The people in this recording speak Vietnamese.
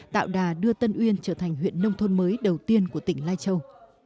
tạo đà đưa tân uyên trở thành huyện nông thôn mới đầu tiên của tỉnh lai châu